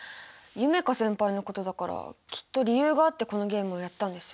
夢叶先輩のことだからきっと理由があってこのゲームをやったんですよ。